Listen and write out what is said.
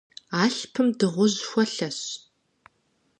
Алъпым дыгъужь хуэлъэщ.